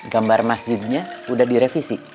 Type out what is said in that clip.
gambar masjidnya udah direvisi